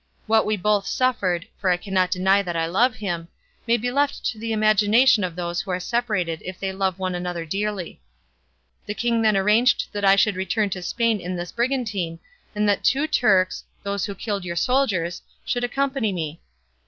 What we both suffered (for I cannot deny that I love him) may be left to the imagination of those who are separated if they love one another dearly. The king then arranged that I should return to Spain in this brigantine, and that two Turks, those who killed your soldiers, should accompany me.